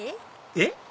えっ？